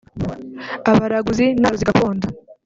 abaraguzi n’abarozi gakondo